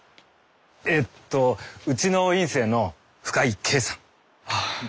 えっとうちの院生の深井京さん。